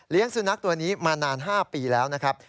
สุนัขตัวนี้มานาน๕ปีแล้วนะครับ